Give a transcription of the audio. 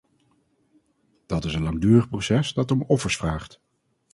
Dat is een langdurig proces, dat om offers vraagt.